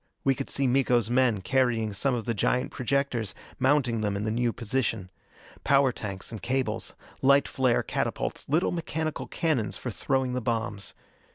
We could see Miko's men carrying some of the giant projectors, mounting them in the new position. Power tanks and cables. Light flare catapults little mechanical cannons for throwing the bombs.